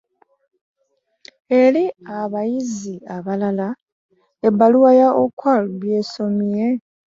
Eri abayizi abalala, ebbaluwa ya Okwakol bw'esomye.